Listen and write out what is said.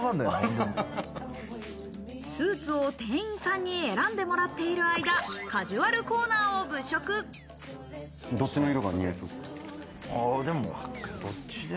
スーツを店員さんに選んでもらっている間、カジュアルコーナーを物色。